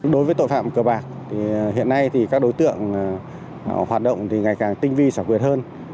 đối với tội phạm cờ bạc hiện nay các đối tượng hoạt động ngày càng tinh vi sảo quyệt hơn